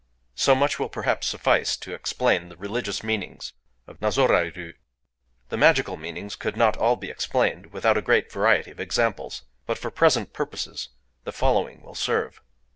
So much will perhaps suffice to explain the religious meanings of nazoraëru. The magical meanings could not all be explained without a great variety of examples; but, for present purposes, the following will serve.